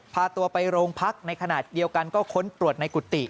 พาตัวไปโรงพักในขณะเดียวกันก็ค้นตรวจในกุฏิ